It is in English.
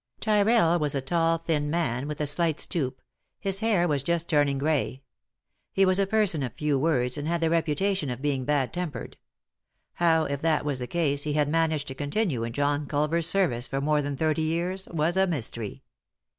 Tyrrell was a tall, thin man, with a slight stoop. His hair was just turning grey. He was a person or n r,v. .c.y,Goog\e THE INTERRUPTED KISS few words, and had the reputation of being bad tempered. How, if that was the case, he had managed, to continue in John Culver's service for more than thirty years was a mystery.